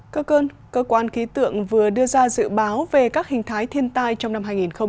cơ cơn cơ quan khí tượng vừa đưa ra dự báo về các hình thái thiên tai trong năm hai nghìn hai mươi